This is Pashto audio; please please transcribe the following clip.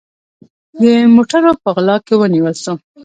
د موټروپه غلا کې ونیول سو